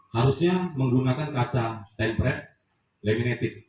harusnya menggunakan kaca tempered laminatik